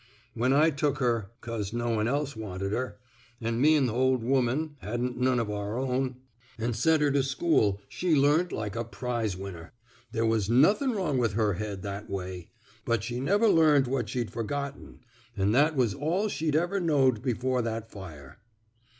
When I took her — 'cause no one else wanted her — an' me an' th' ol' woman hadn't none of our 289 THE SMOKE EATEES own — an' sent her to school, she learned like a prize winner. There was nothin' wrong with her head that way. Bnt she never learned what she'd forgotten — an' that was all she'd ever knowed before that fire."